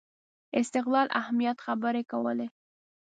استقلال اهمیت خبرې کولې